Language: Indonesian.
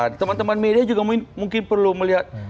jadi bagi teman teman media juga mungkin perlu melihat